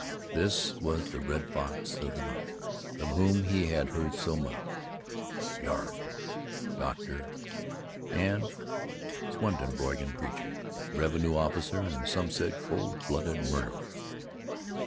This was the Red Fox of the mountains, of whom he had heard so much "yarb" doctor and Swedenborgian preacher; revenue officer and, some said, cold blooded murderer.